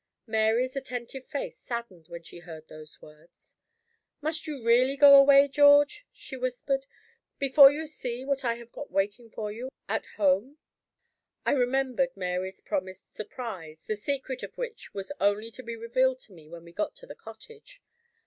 Mary's attentive face saddened when she heard those words. "Must you really go away, George," she whispered, "before you see what I have got waiting for you at home?" I remembered Mary's promised "surprise," the secret of which was only to be revealed to me when we got to the cottage.